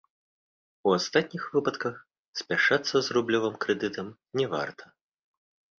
У астатніх выпадках спяшацца з рублёвым крэдытам не варта.